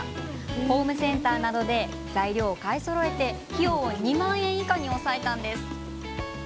ホームセンターなどで材料を買いそろえて費用を２万円以下に抑えたんです。